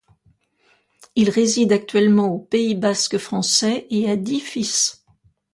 Il réside actuellement au Pays basque français et a dix fils.